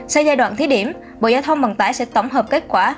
sau giai đoạn thí điểm bộ giai thông bằng tải sẽ tổng hợp kết quả